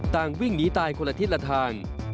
วิ่งหนีตายคนละทิศละทาง